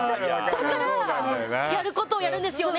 だからやることはやるんですよ。ね！